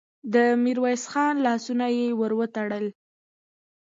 د ميرويس خان لاسونه يې ور وتړل.